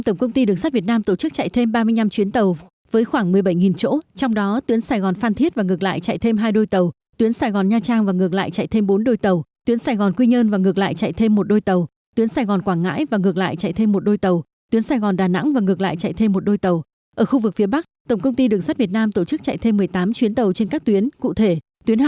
tổng công ty đường sắt việt nam tổ chức chạy thêm hơn năm mươi chuyến tàu trên các tuyến có mật độ hành khách tăng cao như sài gòn nha trang sài gòn phàn thịnh